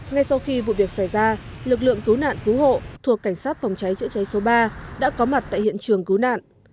ngay sau khi vụ việc xảy ra lực lượng cứu nạn cứu hộ thuộc cảnh sát phòng cháy chữa cháy số ba đã có mặt tại hiện trường cứu nạn